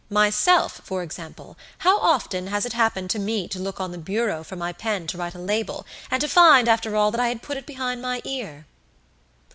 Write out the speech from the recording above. Myself, for example, how often has it happened to me to look on the bureau for my pen to write a label, and to find, after all, that I had put it behind my ear!"